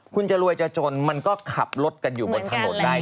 คุณจะรวยจะจนมันก็ขับรถกันอยู่บนถนนได้